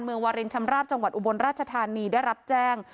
วารินชำราบจังหวัดอุบลราชธานีได้รับแจ้ง